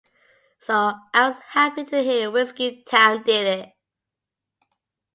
So I was happy to hear Whiskeytown did it.